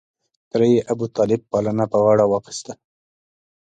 تره یې ابوطالب پالنه په غاړه واخسته.